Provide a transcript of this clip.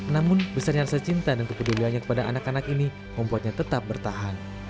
namun besarnya rasa cinta dan kepeduliannya kepada anak anak ini membuatnya tetap bertahan